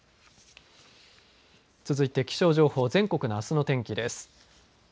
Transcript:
続いて気象情報全国のあすの天気です。